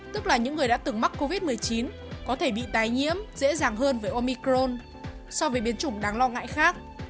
tức là những người đã từng mắc covid một mươi chín có thể bị tái nhiễm dễ dàng hơn với omicron so với biến chủng đáng lo ngại khác